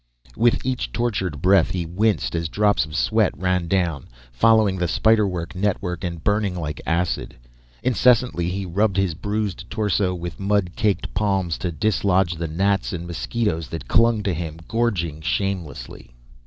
With each tortured breath he winced, as drops of sweat ran down, following the spiderwork network and burning like acid. Incessantly he rubbed his bruised torso with mud caked palms to dislodge the gnats and mosquitoes that clung to him, gorging shamelessly.